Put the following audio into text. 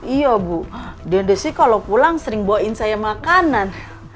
iya bu desi kalau pulang sering bawain saya makanan